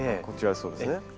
こちらそうですね。